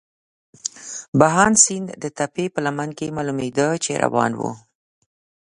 بهاند سیند د تپې په لمن کې معلومېده، چې روان وو.